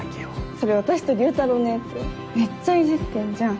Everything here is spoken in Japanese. それ私と竜太郎のやつめっちゃいじってんじゃん。